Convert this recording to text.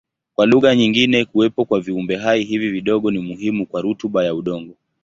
Kwa lugha nyingine kuwepo kwa viumbehai hivi vidogo ni muhimu kwa rutuba ya udongo.